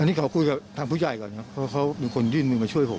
อันนี้ขอคุยกับทางผู้ใหญ่ก่อนครับเพราะเขาเป็นคนยื่นมือมาช่วยผม